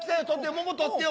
桃取ってよ。